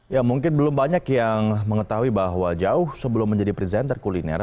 ya mungkin belum banyak yang mengetahui bahwa jauh sebelum menjadi presenter kuliner